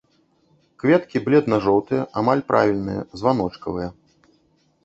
Кветкі бледна-жоўтыя, амаль правільныя, званочкавыя.